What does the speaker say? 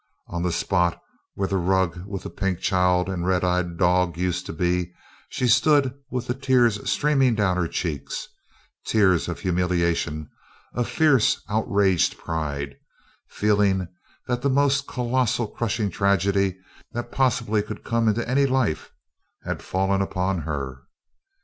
On the spot where the rug with the pink child and the red eyed dog used to be, she had stood with the tears streaming down her cheeks tears of humiliation, of fierce outraged pride, feeling that the most colossal, crushing tragedy that possibly could come into any life had fallen upon her.